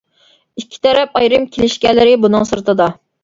ئىككى تەرەپ ئايرىم كېلىشكەنلىرى بۇنىڭ سىرتىدا.